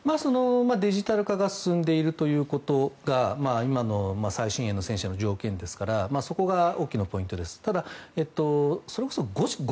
デジタル化が進んでいるということが今の最新鋭の戦車の条件ですから大きなポイントです。